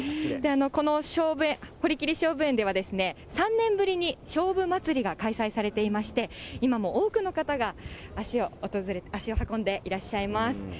この堀切菖蒲園では、３年ぶりにしょうぶ祭が開催されていまして、今も多くの方が足を運んでいらっしゃいます。